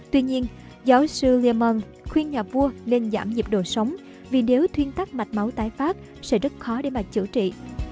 tuy nhiên giáo sư yemon khuyên nhà vua nên giảm nhịp độ sống vì nếu thuyên tắc mạch máu tái phát sẽ rất khó để mà chữa trị